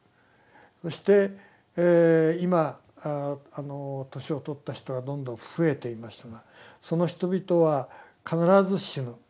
そして今年を取った人がどんどん増えていますがその人々は必ず死ぬ。